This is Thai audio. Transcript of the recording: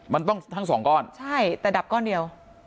มันต้องทั้งสองก้อนใช่แต่ดับก้อนเดียว